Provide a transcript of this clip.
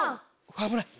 危ない！